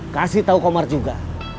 kasih tau komar juga